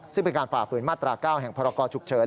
ซึ่งเป็นการฝ่าฝืนมาตรา๙แห่งพรกรฉุกเฉิน